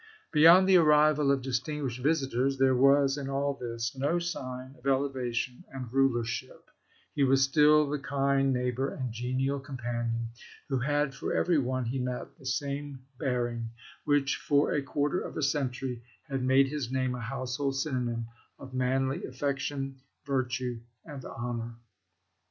Beyond the arrival of distinguished visitors, there was in all this no sign of elevation and rulership ; he was still the kind neighbor and genial com panion, who had for every one he met the same bearing which for a quarter of a century had made his name a household synonym of manly affection, virtue, and honor.